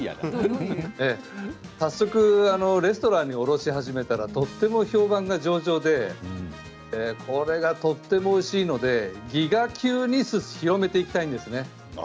早速レストランに卸し始めたらとても評判が上々でこれがとてもおいしいのでギガ級に広めていきたいですね。